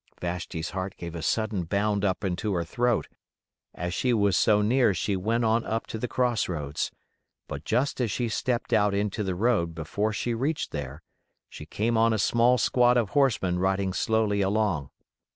Vashti's heart gave a sudden bound up into her throat. As she was so near she went on up to the Cross roads; but just as she stepped out into the road before she reached there, she came on a small squad of horsemen riding slowly along.